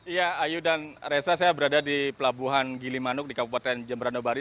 iya ayu dan reza saya berada di pelabuhan gilimanuk di kabupaten jemberanobari